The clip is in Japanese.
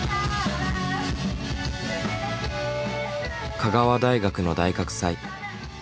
香川大学の大学祭。